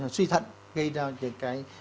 suy thận gây ra những cái